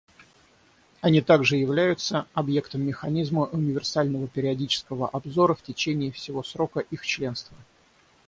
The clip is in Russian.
Они также являются объектом механизма универсального периодического обзора в течение всего срока их членства.